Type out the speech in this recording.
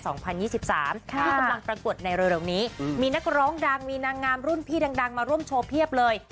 ที่กำลังปรากฏในเร็วนี้มีนักร้องดังมีนางงามรุ่นพี่ดังมาร่วมโชว์เพียบเลย